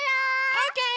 オーケー！